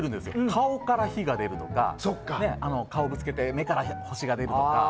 顔から火が出るとか顔をぶつけて目から星が出るとか。